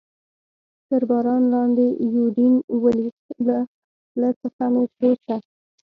تر باران لاندې یوډین ولید، له پله څخه مې بېرته.